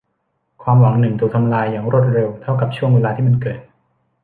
ความหวังหนึ่งถูกทำลายอย่างรวดเร็วเท่ากับช่วงเวลาที่มันเกิด